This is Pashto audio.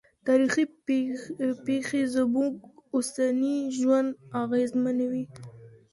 تاریخي پېښې زموږ اوسنی ژوند اغېزمنوي.